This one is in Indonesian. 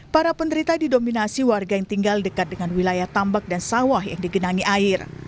para penderita didominasi warga yang tinggal dekat dengan wilayah tambak dan sawah yang digenangi air